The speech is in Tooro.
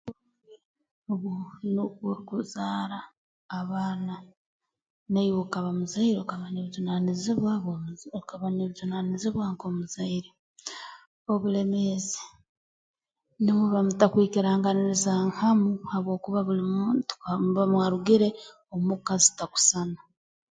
N'obu orukuzaara abaana naiwe okaba muzaire okaba n'obujunaanizibwa bw'omu okaba n'obujunaanizibwa nk'omuzaire obulemeezi numuba mutakwikiranganiriza hamu habwokuba buli muntu ha muba mwarugire omuka zitakusana